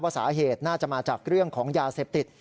สาเหตุน่าจะมาจากเรื่องของยาเสพติด